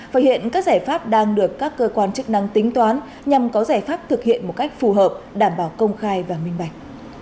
và hiện các giải pháp đang được các cơ quan chức năng tính toán nhằm có giải pháp thực hiện một cách phù hợp đảm bảo công khai và minh bạch